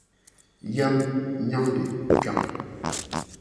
Yɛm nyandi kpiɔŋ.